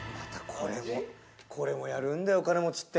これも、やるんだよ、金持ちって。